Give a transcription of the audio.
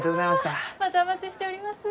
またお待ちしております。